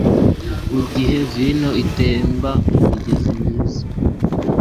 mugihe vino itemba mumigezi myiza